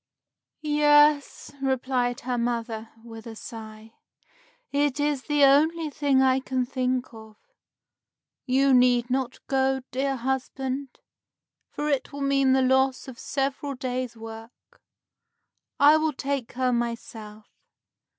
"Yes," replied her mother with a sigh, "it is the only thing I can think of. You need not go, dear husband, for it will mean the loss of several days' work. I will take her myself.